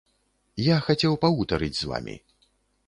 Я хацеў пагутарыць з вамі.